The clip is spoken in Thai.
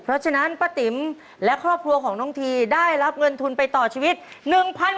เพราะฉะนั้นป้าติ๋มและครอบครัวของน้องทีได้รับเงินทุนไปต่อชีวิต๑๐๐๐บาท